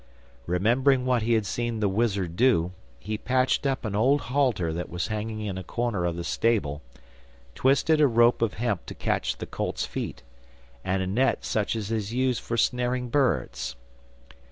Remembering what he had seen the wizard do, he patched up an old halter that was hanging in a corner of the stable, twisted a rope of hemp to catch the colt's feet, and a net such as is used for snaring birds.